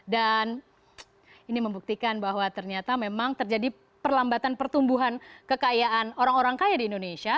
dan ini membuktikan bahwa ternyata memang terjadi perlambatan pertumbuhan kekayaan orang orang kaya di indonesia